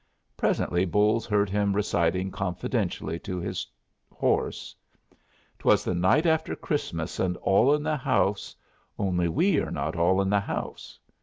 Presently Bolles heard him reciting confidentially to his horse, "Twas the night after Christmas, and all in the house only we are not all in the house!"